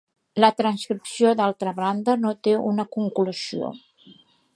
La transcripció, d'altra banda, no té una conclusió.